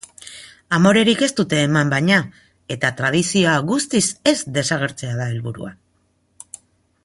Amorerik ez dute eman baina, eta tradizioa guztiz ez desagertzea da helburua.